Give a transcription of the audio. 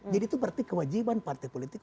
jadi itu berarti kewajiban partai politik